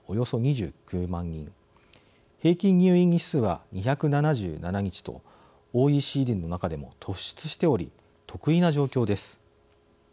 平均入院日数は２７７日とＯＥＣＤの中でも突出しており特異な状況です。